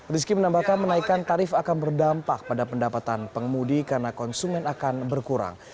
rizky menambahkan menaikkan tarif akan berdampak pada pendapatan pengemudi karena konsumen akan berkurang